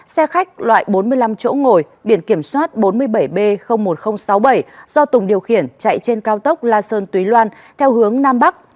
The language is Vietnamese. xe khách loại bốn mươi năm chỗ ngồi biển kiểm soát bốn mươi bảy b một nghìn sáu mươi bảy do tùng điều khiển chạy trên cao tốc la sơn túy loan theo hướng nam bắc